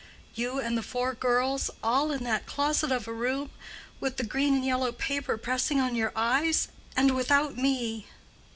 "You and the four girls all in that closet of a room, with the green and yellow paper pressing on your eyes? And without me?"